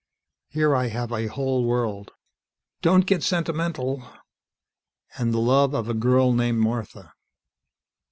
"Here I have a whole world " "Don't get sentimental " "And the love of a girl named Martha."